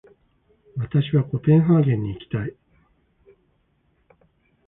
私はコペンハーゲンに行きたい。